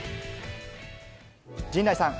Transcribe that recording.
陣内さん。